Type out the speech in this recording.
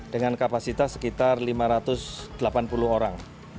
dengan kapasitas sekitar lima ratus delapan puluh orang